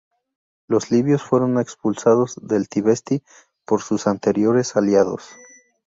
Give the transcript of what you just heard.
Los libios fueron expulsados de Tibesti por sus anteriores aliados.